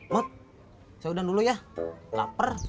mut saya udang dulu ya lapar